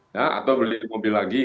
ya atau beli mobil lagi